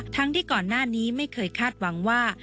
ทั้งที่ก่อนหน้านี้ไม่เคยคาดหวังว่า